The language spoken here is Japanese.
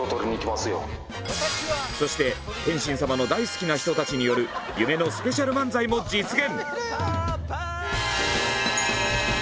そして天心様の大好きな人たちによる夢のスペシャル漫才も実現！